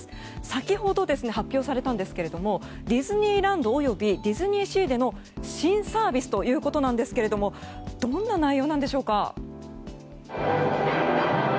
先ほど発表されたんですけどディズニーランド及びディズニーシーでの新サービスということですがどんな内容なんでしょうか。